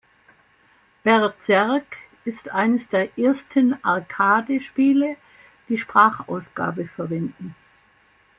Berzerk ist eines der ersten Arcade-Spiele, die Sprachausgabe verwenden.